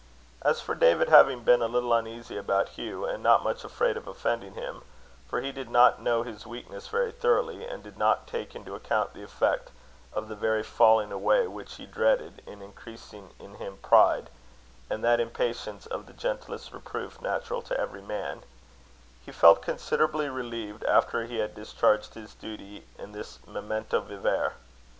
As for David, having been a little uneasy about Hugh, and not much afraid of offending him for he did not know his weaknesses very thoroughly, and did not take into account the effect of the very falling away which he dreaded, in increasing in him pride, and that impatience of the gentlest reproof natural to every man he felt considerably relieved after he had discharged his duty in this memento vivere.